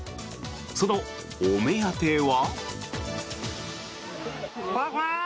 そのお目当ては。